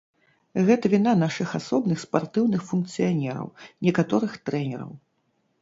Гэта віна нашых асобных спартыўных функцыянераў, некаторых трэнераў.